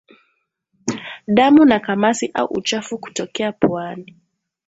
Damu na kamasi au uchafu kutokea puani